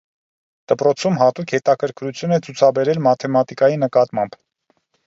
Դպրոցում հատուկ հետաքրքրություն է ցուցաբերել մաթեմատիկայի նկատմամբ։